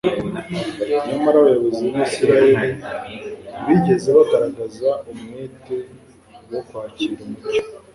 Nyamara abayobozi b'Isiraeli ntibigeze bagaragaza umwete wo kwakira umucyo.